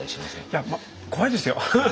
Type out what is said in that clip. いやまあ怖いですよ！